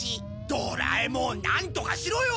ドラえもんなんとかしろよ！